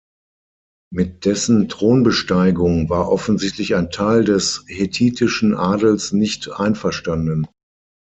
Mit dessen Thronbesteigung war offensichtlich ein Teil des hethitischen Adels nicht einverstanden.